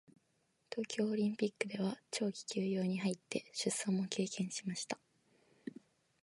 東京オリンピックでは長期休養に入って出産も経験しました。